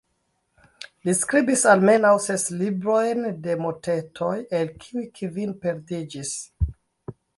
Li skribis almenaŭ ses librojn de motetoj, el kiuj kvin perdiĝis.